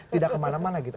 tidak kemana mana gitu